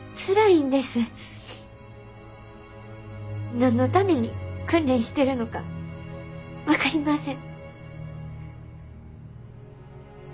何のために訓練してるのか分かりません。